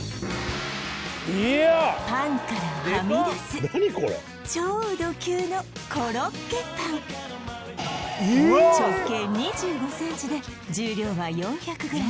パンからはみ出す超ド級のコロッケパン直径２５ｃｍで重量は４００ｇ